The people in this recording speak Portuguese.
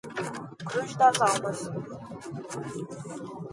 Cruz das Almas